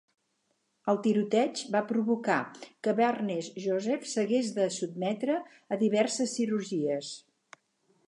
El tiroteig va provocar que Barnes-Joseph s'hagués de sotmetre a diverses cirurgies.